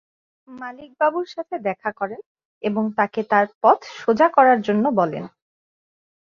মালিক বাবুর সাথে দেখা করেন এবং তাকে তার পথ সোজা করার জন্য বলেন।